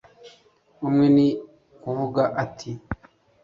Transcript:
umwe ni kuvuga ati